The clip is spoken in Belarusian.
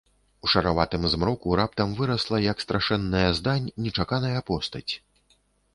У шараватым змроку раптам вырасла, як страшэнная здань, нечаканая постаць.